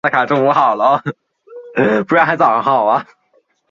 圣若望门是意大利圣吉米尼亚诺城墙上最重要的一个城门。